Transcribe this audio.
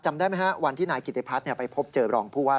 จำได้ไหมฮะวันที่นายกิติพัฒน์ไปพบเจอรองผู้ว่า